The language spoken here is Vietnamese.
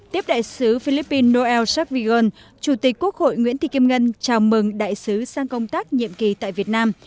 tiếp đại sứ philippines noel savion chủ tịch quốc hội nguyễn thị kim ngân chào mừng đại sứ sang công tác nhiệm kỳ tại việt nam